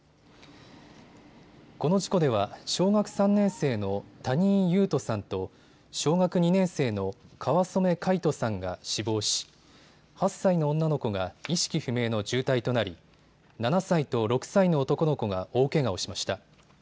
この事故では小学３年生の谷井勇斗さんと小学２年生の川染凱仁さんが死亡し、８歳の女の子が意識不明の重体となり、７歳と６歳の男の子が大けがをしました。